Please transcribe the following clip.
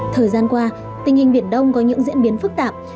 thời gian qua tình hình biển đông có những diễn biến phức tạp